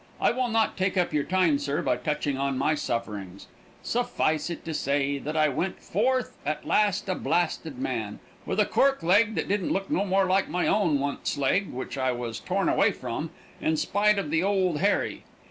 I will not take up your time, sir, by touching on my sufferings. Suphice it to say that I went foarth at last a blasted man, with a cork leg that don't look no more like my own once leg which I was torn away from, in spite of the Old Harry.